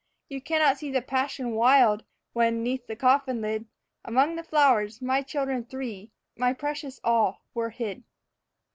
You cannot see the passion wild, when, 'neath the coffin lid, Among the flowers, my children three, my precious all, were hid.